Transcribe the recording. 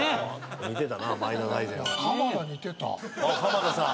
似てたな前田大然さん。